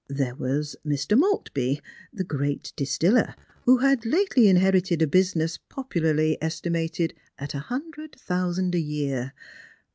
There was Mr. Maltby, the great distiller, who had lately inherited a business po23ularly estmiated at a hundred thousand a year.